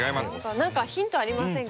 何かヒントありませんか？